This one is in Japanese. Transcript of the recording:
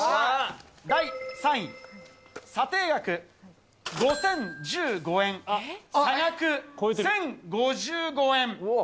第３位、査定額５０１５円、差額１０５５円。